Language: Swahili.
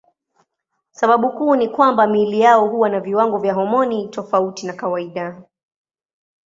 Sababu kuu ni kwamba miili yao huwa na viwango vya homoni tofauti na kawaida.